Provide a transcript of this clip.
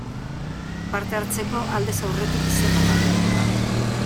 Parte hartzeko, aldez aurretik izena eman beharko da.